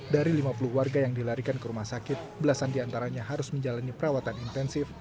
dari lima puluh warga yang dilarikan ke rumah sakit belasan diantaranya harus menjalani perawatan intensif